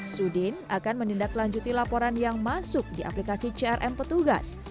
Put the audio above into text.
sudin akan menindaklanjuti laporan yang masuk di aplikasi crm petugas